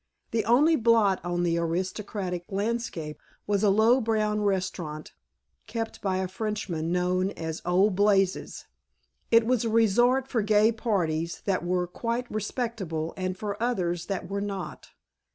The only blot on the aristocratic landscape was a low brown restaurant kept by a Frenchman, known as "Old Blazes." It was a resort for gay parties that were quite respectable and for others that were not.